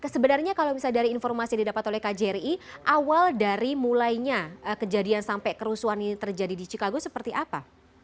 sebenarnya kalau misalnya dari informasi yang didapat oleh kjri awal dari mulainya kejadian sampai kerusuhan ini terjadi di chicago seperti apa